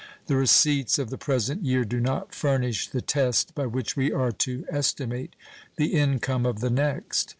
The receipts of the present year do not furnish the test by which we are to estimate the income of the next.